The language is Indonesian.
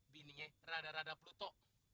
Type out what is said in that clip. bininya rada rada pluto